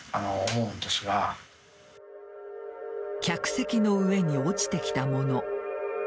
客席の上に落ちてきたもの。